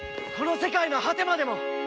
この世界の果てまでも！